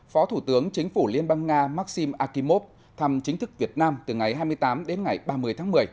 phó thủ tướng chính phủ liên bang nga maxim akimov thăm chính thức việt nam từ ngày hai mươi tám đến ngày ba mươi tháng một mươi